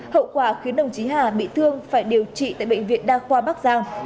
hậu quả khiến đồng chí hà bị thương phải điều trị tại bệnh viện đa khoa bắc giang